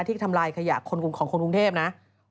ที่ทำลายขยะของคนกรุงเทพนะ